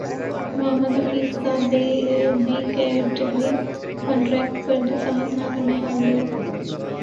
محمد حفیظ کا B category contract پر دستخط نہ کرنےکا عندیہ